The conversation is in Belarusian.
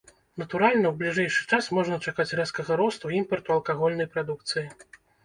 Натуральна, у бліжэйшы час можна чакаць рэзкага росту імпарту алкагольнай прадукцыі.